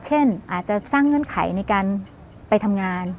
เช่นอาจจะสร้างเงื่อนไขในการไปทำงาน